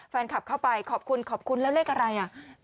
แฟนคลับเข้าไปขอบคุณขอบคุณแล้วเลขอะไรอ่ะ